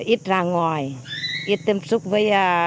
ít ra ngoài ít tâm trúc với